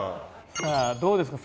さあどうですか？